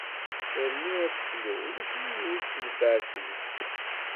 Arnu aseklu ulac win ur nessenfeɛ deg-s.